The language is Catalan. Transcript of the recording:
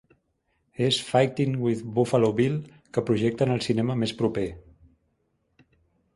És Fighting With Buffalo Bill que projecten al cinema més proper